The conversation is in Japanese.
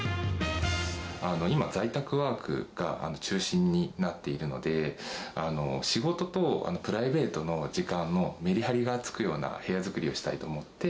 今、在宅ワークが中心になっているので、仕事とプライベートの時間のメリハリがつくような部屋作りをしたいと思って。